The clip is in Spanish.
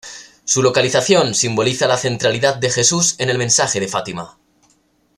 Su localización simboliza la centralidad de Jesús en el mensaje de Fátima.